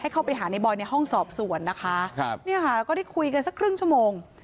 นายบอยในห้องสอบส่วนนะคะนี่ค่ะก็ได้คุยกันสักครึ่งชั่วโมง